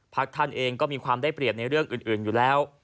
ท่านเองก็มีความได้เปรียบในเรื่องอื่นอยู่แล้ว